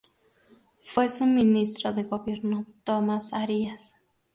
Fue su ministro de gobierno Tomás Arias.